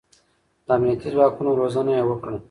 د امنيتي ځواک روزنه يې وکړه.